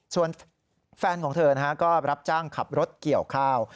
ส่วนแฟนของเธอก็รับจ้างขับรถเกี่ยวข้าว